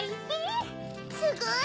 すごい！